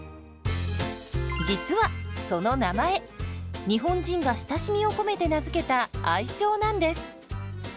実はその名前日本人が親しみを込めて名付けた愛称なんです。